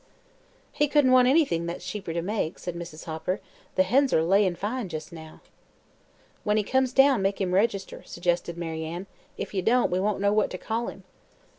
"He couldn't want anything that's cheaper to make," said Mrs. Hopper. "The hens are layin' fine jus' now." "When he comes down, make him register," suggested Mary Ann. "If ye don't, we won't know what ter call him."